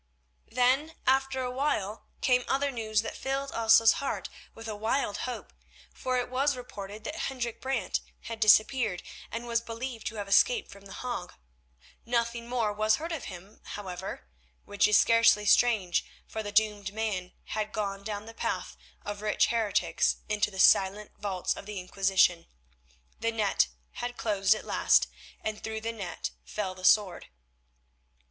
Then, after a while, came other news that filled Elsa's heart with a wild hope, for it was reported that Hendrik Brant had disappeared, and was believed to have escaped from The Hague. Nothing more was heard of him, however, which is scarcely strange, for the doomed man had gone down the path of rich heretics into the silent vaults of the Inquisition. The net had closed at last, and through the net fell the sword.